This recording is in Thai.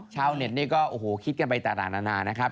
ชาวเน็ตนี่ก็โอ้โหคิดกันไปต่างนานานะครับ